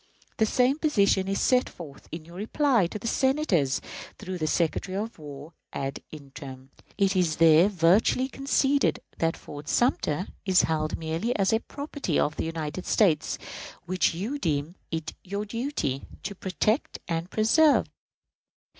The same position is set forth in your reply to the Senators, through the Secretary of War ad interim. It is there virtually conceded that Fort Sumter "is held merely as property of the United States, which you deem it your duty, to protect and preserve."